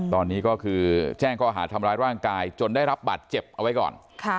ตอนนี้ก็คือแจ้งข้อหาทำร้ายร่างกายจนได้รับบาดเจ็บเอาไว้ก่อน